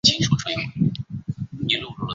胜眼光是香港已退役纯种竞赛马匹。